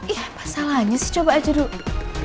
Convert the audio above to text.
iya apa salahnya sih coba aja dulu